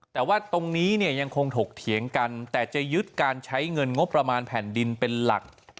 แต่ว่าตรงนี้เนี่ยยังคงถกเถียงกันแต่จะยึดการใช้เงินงบประมาณแผ่นดินเป็นหลัก